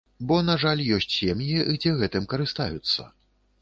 Бо, на жаль, ёсць сем'і, дзе гэтым карыстаюцца.